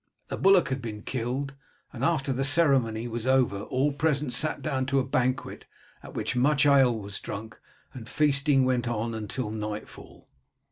A bullock had been killed, and after the ceremony was over all present sat down to a banquet at which much ale was drunk and feasting went on till nightfall.